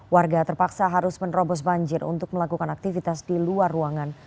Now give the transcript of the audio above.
warga terpaksa harus menerobos banjir untuk melakukan aktivitas di luar ruangan